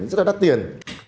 rất là đắt tiền